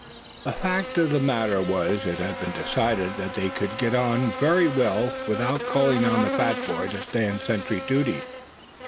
The fact of the matter was it had been decided that they could get on very well without calling on the fat boy to stand sentry duty.